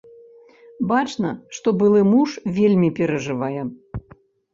Бачна, што былы муж вельмі перажывае.